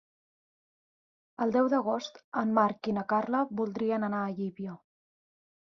El deu d'agost en Marc i na Carla voldrien anar a Llívia.